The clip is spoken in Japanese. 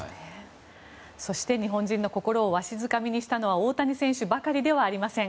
そして日本人の心をわしづかみにしたのは大谷選手ばかりではありません。